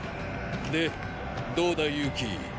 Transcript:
でどうだユキイ？